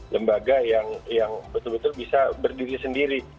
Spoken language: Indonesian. lembaga yang betul betul bisa berdiri sendiri